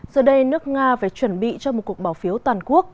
giờ đây nước nga phải chuẩn bị cho một cuộc bỏ phiếu toàn quốc